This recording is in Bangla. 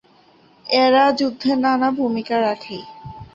এরা যুদ্ধে নানা ভুমিকা রাখে।